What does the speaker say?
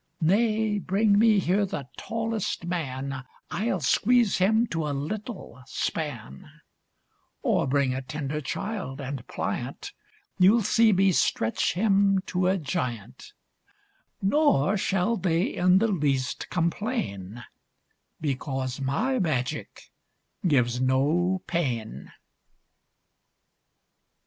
Nay, bring me here the tallest man, I'll squeeze him to a little span; Or bring a tender child, and pliant, You'll see me stretch him to a giant: Nor shall they in the least complain, Because my magic gives no pain.